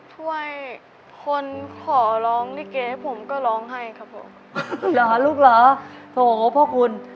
ช่วยคนขอร้องลิเกให้ผมก็ร้องให้ครับผมเหรอลูกเหรอโถพ่อคุณ